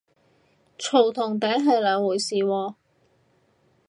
嘈同嗲係兩回事喎